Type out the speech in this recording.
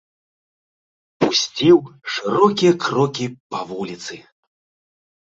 Пусціў шырокія крокі па вуліцы.